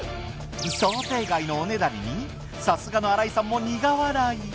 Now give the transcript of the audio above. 想定外のおねだりにさすがの新井さんも苦笑い。